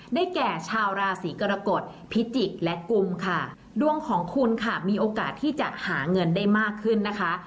แก่ชาวราศีกรกฎพิจิกษ์และกุมค่ะดวงของคุณค่ะมีโอกาสที่จะหาเงินได้มากขึ้นนะคะ